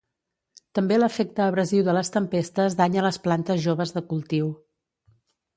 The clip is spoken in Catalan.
També l'efecte abrasiu de les tempestes danya les plantes joves de cultiu.